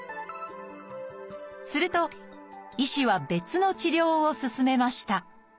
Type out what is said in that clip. すると医師は別の治療を勧めました